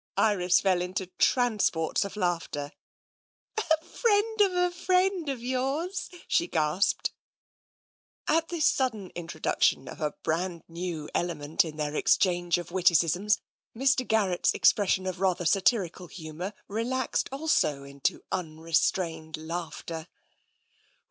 Iris fell into transports of laughter. " A friend of a friend of yours !" she gasped. At this sudden introduction of a brand new element into their exchange of witticisms, Mr. Garrett's ex pression of rather satirical humour relaxed also into unrestrained laughter.